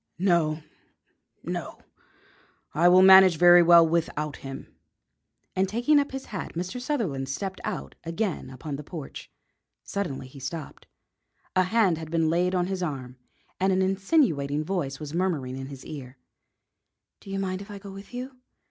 "No, no; I will manage very well without him." And taking up his hat Mr. Sutherland stepped out again upon the porch. Suddenly he stopped. A hand had been laid on his arm and an insinuating voice was murmuring in his ear: "Do you mind if I go with you?